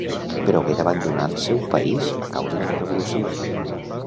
Però hagué d'abandonar el seu país a causa de la Revolució.